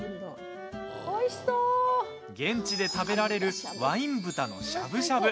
現地で食べられるワイン豚のしゃぶしゃぶ。